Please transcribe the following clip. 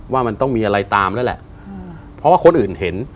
ว่ามันต้องมีอะไรตามแล้วแหละเพราะว่าคนอื่นเห็น